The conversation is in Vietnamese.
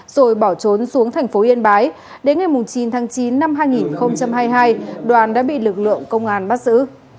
rồi bỏ trốn xuống thành phố yên bái đến ngày chín tháng chín năm hai nghìn hai mươi hai đoàn đã bị lực lượng công an bắt giữ